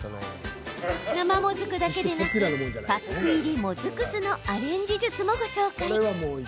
生もずくだけでなくパック入りもずく酢のアレンジ術もご紹介。